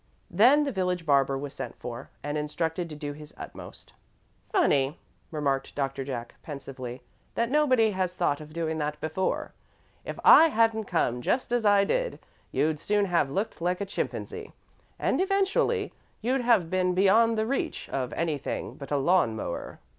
Then the village barber was sent for, and instructed to do his utmost. "Funny," remarked Doctor Jack, pensively, "that nobody has thought of doing that before. If I hadn't come just as I did, you'd soon have looked like a chimpanzee, and, eventually, you'd have been beyond the reach of anything but a lawn mower.